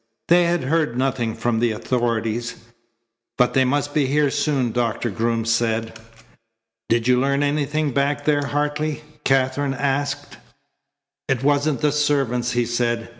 They had heard nothing from the authorities. "But they must be here soon," Doctor Groom said. "Did you learn anything back there, Hartley?" Katherine asked. "It wasn't the servants," he said.